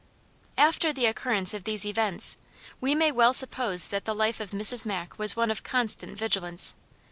After the occurrence of these events we may well suppose that the life of Mrs. Mack was one of constant vigilance.